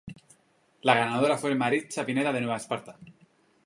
La ganadora fue Maritza Pineda, de Nueva Esparta.